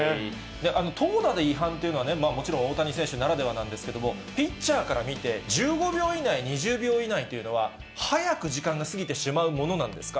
投打で違反っていうのはね、もちろん大谷選手ならではなんですけれども、ピッチャーから見て、１５秒以内、２０秒以内というのは、早く時間が過ぎてしまうものなんですか。